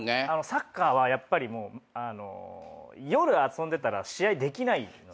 サッカーはやっぱりもう夜遊んでたら試合できないので。